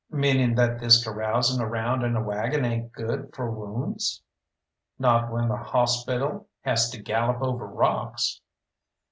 "Meaning that this carousing around in a waggon ain't good for wounds?" "Not when the hawspital has to gallop over rocks."